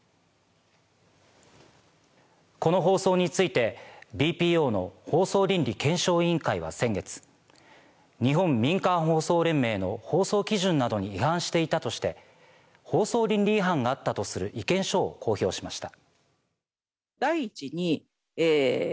この放送についてＢＰＯの放送倫理検証委員会は先月日本民間放送連盟の放送基準などに違反していたとして放送倫理違反があったとする意見書を公表しました。